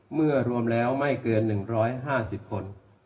เมื่อรวมแล้วไม่เกิน๑๕๐คน